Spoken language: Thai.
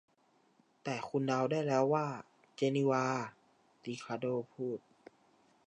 แต่คุณเดาได้แล้วว่า 'เจนีวา' ริคาร์โด้พูด